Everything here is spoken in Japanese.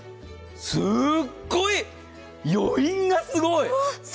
すごい、余韻がすごい。